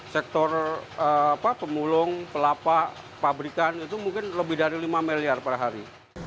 sektor pemulung pelapa pabrikan itu mungkin lebih dari lima miliar per hari